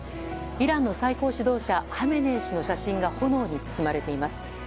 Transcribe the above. イランの最高指導者ハメネイ師の写真が炎に包まれています。